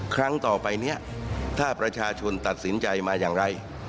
ครั้งต่อไปนี้ถ้าประชาชนตัดสินใจมาอย่างไร